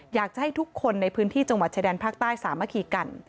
อยากจะให้ทุกคนในพื้นที่จังหวัดชายแดนภาคใต้สามัคคีกัน